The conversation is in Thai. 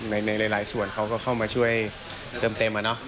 ในหลายส่วนเขาก็เข้ามาช่วยเติมเต็มอะเนาะ